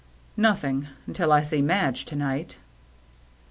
Nothing, until I see Madge to night."